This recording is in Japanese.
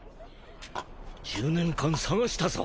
１０年間捜したぞ。